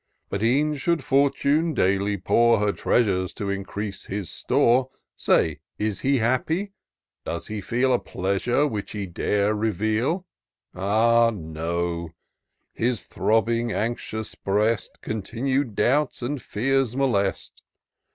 But e'en should Fortune daily pour Her treasures to increase his store. Say, is he happy ?— Does he feel A pleasure which he dare reveal ? Ah, no !— ^his throbbing anxious breast Continued doubts and fears molest.